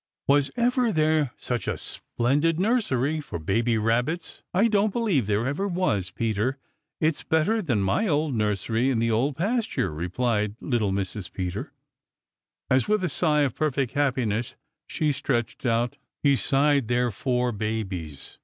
"Was ever there such a splendid nursery for baby Rabbits?" "I don't believe there ever was, Peter. It's better than my old nursery in the Old Pasture," replied little Mrs. Peter, as with a sigh of perfect happiness she stretched out beside their four babies.